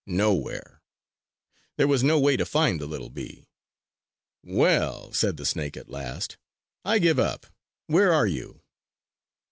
Nowhere! There was no way to find the little bee! "Well," said the snake at last, "I give up! Where are you?"